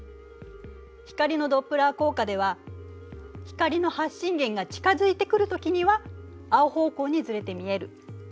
光のドップラー効果では光の発信源が近づいてくるときには青方向にずれて見える。